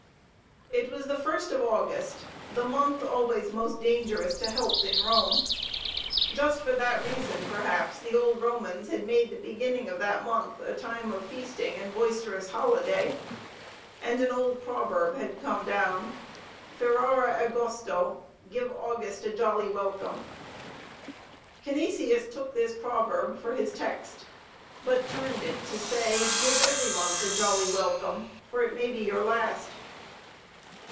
It was the first of August, the month always most dangerous to health in Rome. Just for that reason, perhaps, the old Romans had made the beginning of that month a time of feasting and boisterous holiday. And an old proverb had come down, "Ferrare Agosto Give August a jolly welcome" Canisius took this proverb for his text, but turned it to say, "Give every month a jolly welcome, for it may be your last."